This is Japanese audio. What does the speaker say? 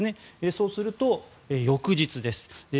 そうすると、翌日です。